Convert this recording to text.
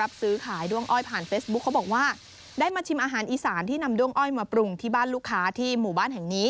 รับซื้อขายด้วงอ้อยผ่านเฟซบุ๊คเขาบอกว่าได้มาชิมอาหารอีสานที่นำด้วงอ้อยมาปรุงที่บ้านลูกค้าที่หมู่บ้านแห่งนี้